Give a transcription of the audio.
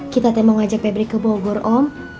kita mau ajak feberi ke bogor om